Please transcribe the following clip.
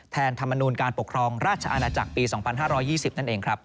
ธรรมนูลการปกครองราชอาณาจักรปี๒๕๒๐นั่นเองครับ